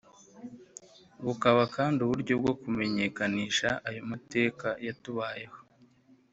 bukaba kandi uburyo bumwe bwo kumenyekanisha ayo mateka yatubayeho